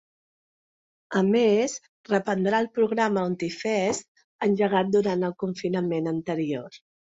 A més, reprendrà el programa ‘Ontifest’ engegat durant el confinament anterior.